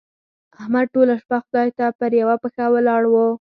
احمد ټوله شپه خدای ته پر يوه پښه ولاړ وو.